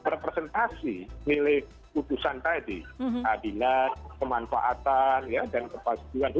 representasi milik putusan tadi adilat kemanfaatan dan kewajiban